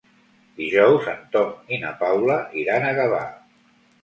Dijous en Tom i na Paula iran a Gavà.